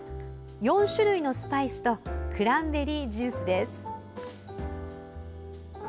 ４種類のスパイスとクランベリージュースです。